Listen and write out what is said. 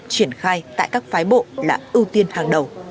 triển khai tại các phái bộ là ưu tiên hàng đầu